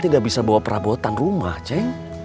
tidak bisa bawa perabotan rumah ceng